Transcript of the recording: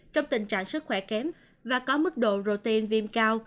trong tình trạng sức khỏe kém và có mức độ rote viêm cao